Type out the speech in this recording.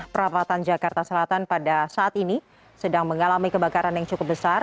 perapatan jakarta selatan pada saat ini sedang mengalami kebakaran yang cukup besar